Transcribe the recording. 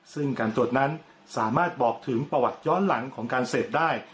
ซึ่งการตรวจนั้นสามารถบอกถึงประวัติย้อนหลังของการเสพได้